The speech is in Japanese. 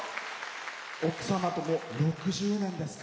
奥様とも６０年ですか。